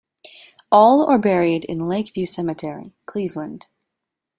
All are buried in Lake View Cemetery, Cleveland.